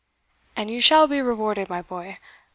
"And you shall be rewarded, my boy.